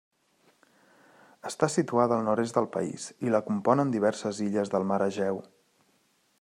Està situada al nord-est del país i la componen diverses illes del mar Egeu.